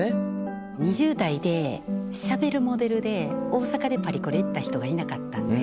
２０代でしゃべるモデルで大阪でパリコレ行った人がいなかったんで。